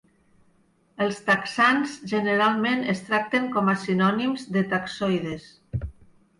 Els taxans generalment es tracten com a sinònims de taxoides.